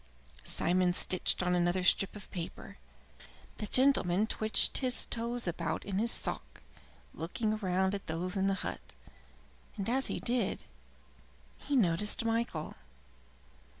Simon stitched on another strip of paper. The gentleman twitched his toes about in his sock, looking round at those in the hut, and as he did so he noticed Michael.